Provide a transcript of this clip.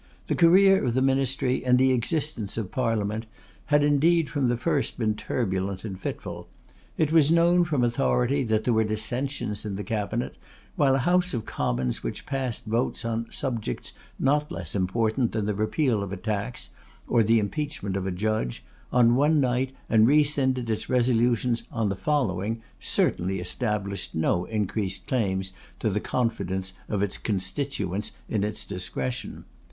The career of the Ministry, and the existence of the Parliament, had indeed from the first been turbulent and fitful. It was known, from authority, that there were dissensions in the cabinet, while a House of Commons which passed votes on subjects not less important than the repeal of a tax, or the impeachment of a judge, on one night, and rescinded its resolutions on the following, certainly established no increased claims to the confidence of its constituents in its discretion.